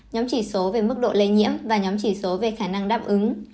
nhóm chỉ số về mức độ lây nhiễm và nhóm chỉ số về khả năng đáp ứng